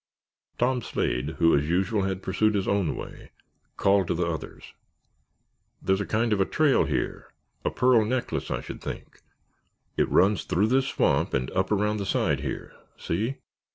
Tom Slade who, as usual, had pursued his own way, called to the others, "There's a kind of a trail here—a pearl necklace, I should think. It runs through this swamp and up around the side there. See?"